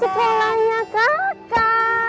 udah disekilanya kakak